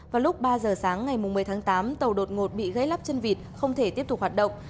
vào lúc ba giờ sáng ngày một mươi tháng tám tàu đột ngột bị gãy lắp chân vịt không thể tiếp tục hoạt động